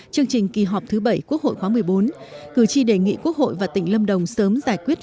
chương trình kỳ họp thứ bảy quốc hội khóa một mươi bốn cử tri đề nghị quốc hội và tỉnh lâm đồng sớm giải quyết